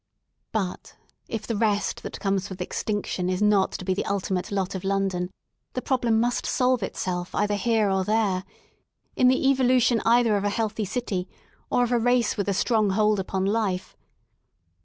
But, if the rest that comes with extinction is not to be the ultimate lot of London, the problem must solve itself either here or there — in the evolution either of a healthy city or of a race with a strong hold upon life.